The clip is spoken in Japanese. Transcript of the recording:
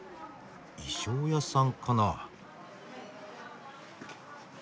衣装屋さんかな。